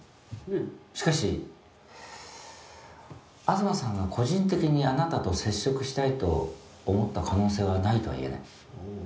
「しかし東さんが個人的にあなたと接触したいと思った可能性はないとは言えない」